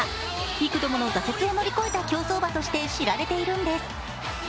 幾度もの挫折を乗り越えた競走馬として知られているんです。